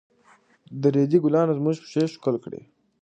د ريدي ګلانو زموږ پښې ښکل کړې.